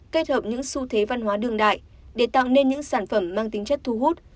kết hợp những xu thế văn hóa đường đại để tạo nên những sản phẩm mang tính chất thu hút